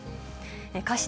過失